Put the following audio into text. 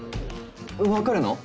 分かるの？